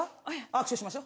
握手しましょ。